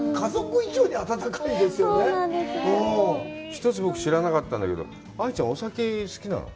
一つ僕、知らなかったんだけど、愛ちゃん、お酒好きなの？